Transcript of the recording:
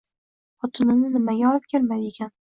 Xotinini nimaga olib kelmadiykin